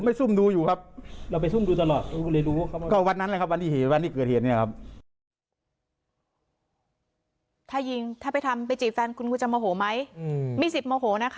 มีสิทธิ์มโยโขฟะนะคะแต่ว่าไม่มีสิทธิ์ไปทำร้ายใคร